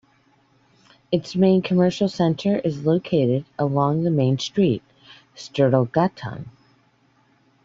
Its main commercial center is located along the main street, Storgatan.